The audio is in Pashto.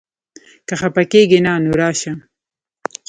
که خپه کېږې نه؛ نو راشه!